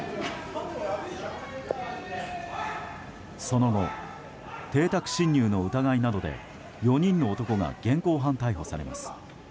その後、邸宅侵入の疑いなどで４人の男が現行犯逮捕されます。